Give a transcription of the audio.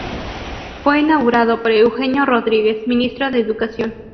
Fue inaugurado por Eugenio Rodríguez, Ministro de Educación.